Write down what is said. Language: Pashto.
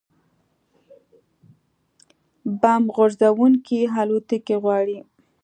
بمب غورځوونکې الوتکې غواړي